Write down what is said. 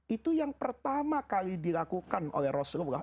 itu yang pertama kali dilakukan oleh rasulullah